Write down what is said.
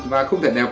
và không thể đẹp